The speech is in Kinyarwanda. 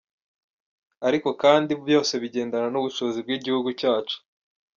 Ariko kandi byose bigendana n’ubushobozi bw’igihugu cyacu.